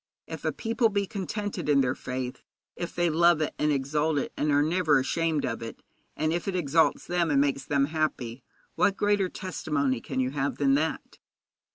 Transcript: If a people be contented in their faith, if they love it and exalt it, and are never ashamed of it, and if it exalts them and makes them happy, what greater testimony can you have than that?